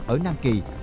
ở nam kỳ